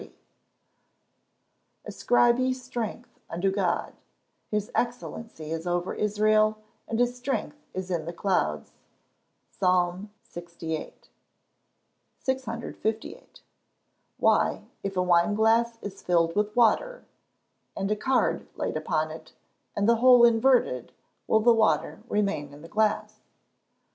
[Verse: "Ascribe ye strength unto God: his excellency is over Israel, and his strength is in the clouds." PSALM LVIII.] 658. _Why, if a wine glass is filled with water, and a card laid upon it, and the whole inverted, will the water remain in the glass?